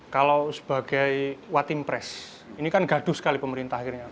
kalau sebagai watim pres ini kan gaduh sekali pemerintah akhirnya